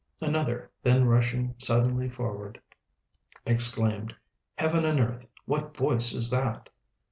Another, then rushing suddenly forward, exclaimed, "Heaven and earth! what voice is that?"